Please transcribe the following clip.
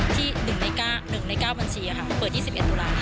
ที่๑ใน๙บัญชีเปิด๒๑ตุลาค